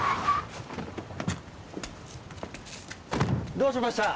どうしました？